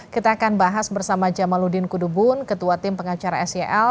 kita akan bahas bersama jamaludin kudubun ketua tim pengacara sel